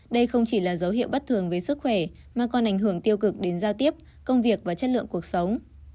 đây không chỉ là dấu hiệu bất thường với sức khỏe mà còn ảnh hưởng tiêu cực đến giao tiếp công việc và chất lượng cuộc sống